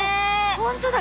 本当だ。